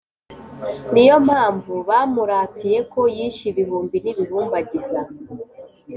Ni yo mpamvu bamuratiye ko yishe ibihumbi n’ibihumbagiza,